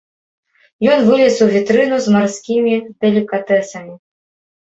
Ён залез у вітрыну з марскімі далікатэсамі.